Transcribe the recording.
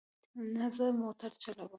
نه، زه موټر چلوم